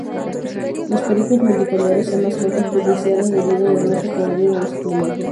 Los pericos multicolores son mascotas codiciadas debido al hermoso colorido de su plumaje.